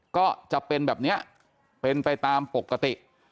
ก็จะเป็นแบบนี้เป็นไปตามปกติ